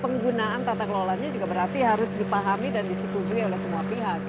penggunaan tata kelolanya juga berarti harus dipahami dan disetujui oleh semua pihak